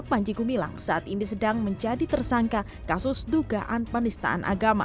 panji gumilang saat ini sedang menjadi tersangka kasus dugaan penistaan agama